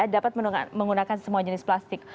dapat menggunakan semua jenis plastik